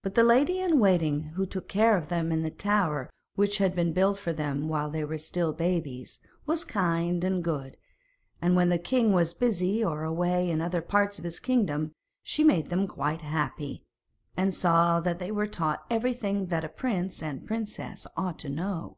But the lady in waiting who took care of them in the tower which had been built for them while they were still babies, was kind and good, and when the king was busy or away in other parts of his kingdom she made them quite happy, and saw that they were taught everything that a prince and princess ought to know.